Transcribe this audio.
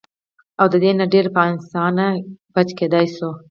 او د دې نه ډېر پۀ اسانه بچ کېدے شو -